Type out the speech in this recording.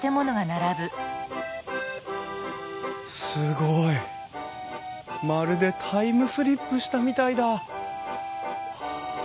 すごい！まるでタイムスリップしたみたいだ。